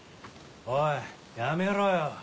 おいやめろよ。